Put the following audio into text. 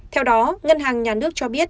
theo đó ngân hàng nhà nước cho biết